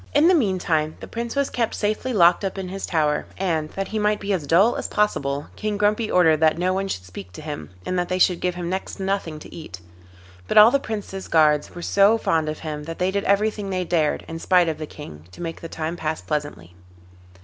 In the meantime the Prince was kept safely locked up in his tower, and, that he might be as dull as possible, King Grumpy ordered that no one should speak to him, and that they should give him next to nothing to eat. But all the Prince's guards were so fond of him that they did everything they dared, in spite of the King, to make the time pass pleasantly.